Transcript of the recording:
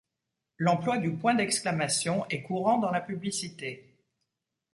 L'emploi du point d'exclamation est courant dans la publicité.